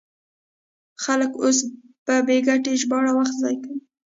خلک اوس په بې ګټې ژباړو وخت ضایع کوي.